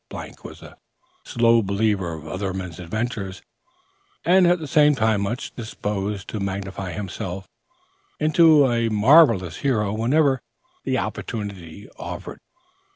was a slow believer of other men's adventures, and, at the same time, much disposed to magnify himself into a marvellous hero whenever the opportunity offered.